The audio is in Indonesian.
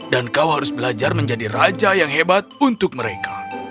dan kau harus belajar menjadi raja yang hebat untuk mereka